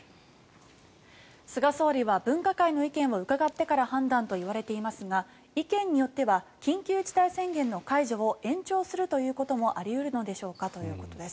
菅総理は分科会の意見をうかがってから判断といわれていますが意見によっては緊急事態宣言の解除を延長するということもあり得るのでしょうかということです。